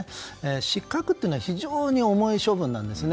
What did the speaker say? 失格というのは非常に重い処分なんですね。